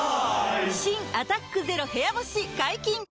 新「アタックＺＥＲＯ部屋干し」解禁‼